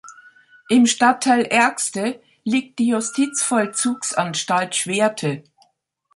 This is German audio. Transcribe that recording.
Im Stadtteil Ergste liegt die Justizvollzugsanstalt Schwerte.